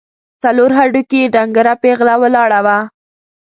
څلور هډوکي، ډنګره پېغله ولاړه وه.